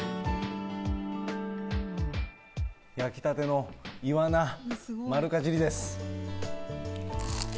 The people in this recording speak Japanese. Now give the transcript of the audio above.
焼きたてのイワナ、丸かじりです。